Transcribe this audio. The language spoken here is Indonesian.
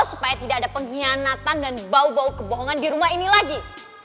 supaya tidak ada pengkhianatan dan bau bau kebohongan di rumah ini lagi